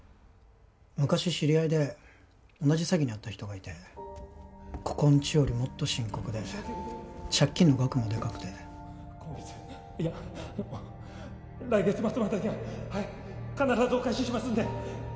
昔知り合いで同じ詐欺に遭った人がいてここんちよりもっと深刻で借金の額もデカくて今月いや来月末までにははい必ずお返ししますんで